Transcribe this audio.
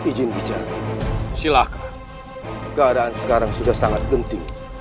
izin bicara silakan keadaan sekarang sudah sangat genting